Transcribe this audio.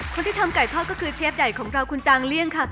คนที่ทำไก่ทอดก็คือเชฟใหญ่ของเราคุณจางเลี่ยงค่ะ